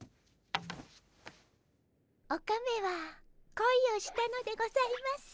オカメはこいをしたのでございます。